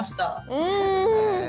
うん。